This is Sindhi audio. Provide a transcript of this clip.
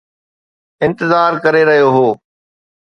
انتظار ڪري رهيو هو